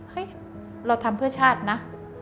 เราทำเพื่อชาตินะ